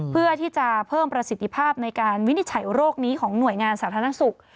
เพื่อที่จะเพิ่มประสิทธิภาพในการวินิจฉัยโรคนี้ของหน่วยงานสาธารณสุข